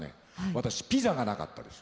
私ピザがなかったです。